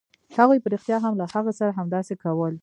هغوی په رښتیا هم له هغه سره همداسې کول